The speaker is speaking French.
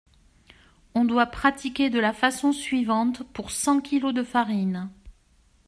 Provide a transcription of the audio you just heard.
On doit pratiquer de la façon suivante pour cent kilos de farine.